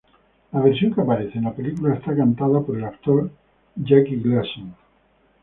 La versión que aparece en la película está cantada por el actor Jackie Gleason.